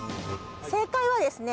正解はですね